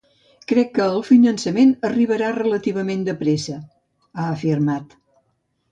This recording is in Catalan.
“Crec que el finançament arribarà relativament de pressa”, ha afirmat.